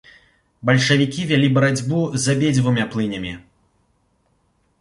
Бальшавікі вялі барацьбу з абедзвюма плынямі.